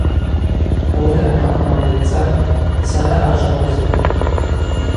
Ауи амакъым алайцӏатӏ, сара ажваква згӏвытӏ.